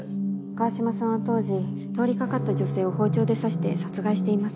川島さんは当時通りかかった女性を包丁で刺して殺害しています。